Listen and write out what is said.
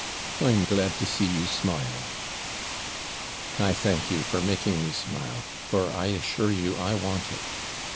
I'm glad to see you smile.' 'I thank you for making me smile, for I assure you I want it.